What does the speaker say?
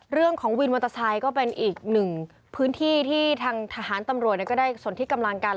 วินมอเตอร์ไซค์ก็เป็นอีกหนึ่งพื้นที่ที่ทางทหารตำรวจก็ได้สนที่กำลังกัน